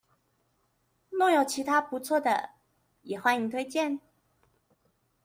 若有其他不錯的也歡迎推薦